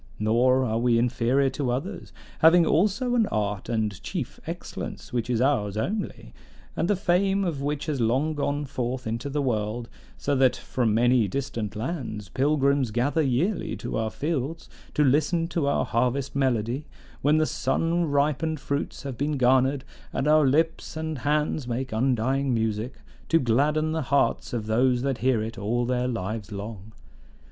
Nor are we inferior to others, having also an art and chief excellence which is ours only, and the fame of which has long gone forth into the world; so that from many distant lands pilgrims gather yearly to our fields to listen to our harvest melody, when the sun ripened fruits have been garnered, and our lips and hands make undying music, to gladden the hearts of those that hear it all their lives long.